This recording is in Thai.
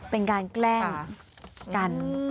เป็นการแกล้งกัน